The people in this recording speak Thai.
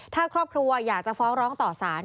ถ้าครอบครัวอยากจะฟ้องร้องต่อสาร